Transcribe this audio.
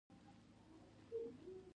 آزاد تجارت مهم دی ځکه چې ټولنه قوي کوي.